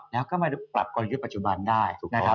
แล้วก็มาปรับกลยุทธ์ปัจจุบันได้ถูกนะครับ